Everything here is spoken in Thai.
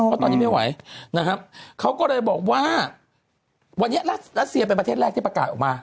เพราะตอนนี้ไม่ไหวนะครับเขาก็เลยบอกว่าวันนี้รัสเซียเป็นประเทศแรกที่ประกาศออกมา